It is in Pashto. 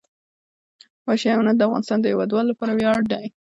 وحشي حیوانات د افغانستان د هیوادوالو لپاره ویاړ دی.